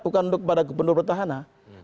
bukan untuk para gubernur gubernur tahanan